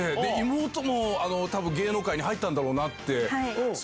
妹も多分芸能界に入ったんだろうなって。